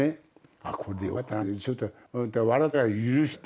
あっこれでよかったなって。